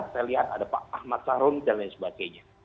saya lihat ada pak ahmad sarun dan lain sebagainya